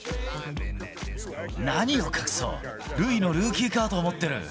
何を隠そう、ルイのルーキーカードを持ってる。